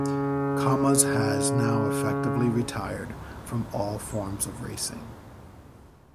Comas has now effectively retired from all forms of racing.